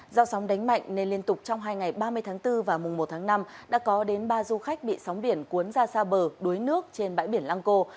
do sóng đánh mạnh nên liên tục trong hai ngày ba mươi tháng bốn và mùng một tháng năm đã có đến ba du khách bị sóng biển cuốn ra xa bờ đuối nước trên bãi biển lăng cô